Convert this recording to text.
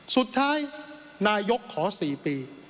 สุดท้ายนายกขอ๔ปี